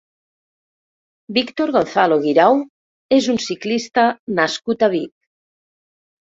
Víctor Gonzalo Guirao és un ciclista nascut a Vic.